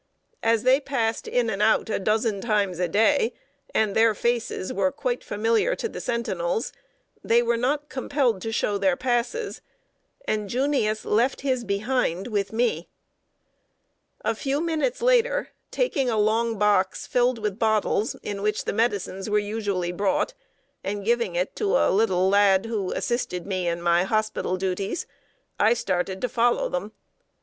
As they passed in and out a dozen times a day, and their faces were quite familiar to the sentinels, they were not compelled to show their passes, and "Junius" left his behind with me. [Sidenote: STOPPED BY THE SENTINEL.] A few minutes later, taking a long box filled with bottles in which the medicines were usually brought, and giving it to a little lad who assisted me in my hospital duties, I started to follow them.